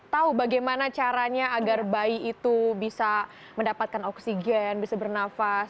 tahu bagaimana caranya agar bayi itu bisa mendapatkan oksigen bisa bernafas